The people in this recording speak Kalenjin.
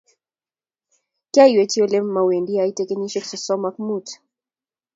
Kiaiywechi ole mowendi aite kenyisiek sosom ak muut.